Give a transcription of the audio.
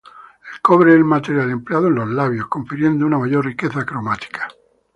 El cobre es el material empleado en los labios, confiriendo una mayor riqueza cromática.